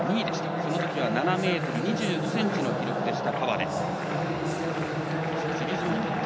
このときは７ｍ２５ｃｍの記録でした。